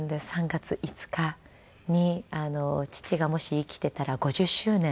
３月５日に父がもし生きていたら５０周年。